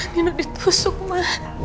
nino ditusuk ma